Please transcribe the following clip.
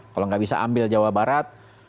kalau nggak bisa ambil jawa barat